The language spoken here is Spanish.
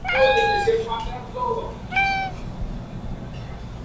Unos son más anchos que otros.